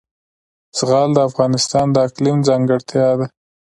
زغال د افغانستان د اقلیم ځانګړتیا ده.